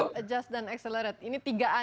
menyesuaikan menyesuaikan dan menekan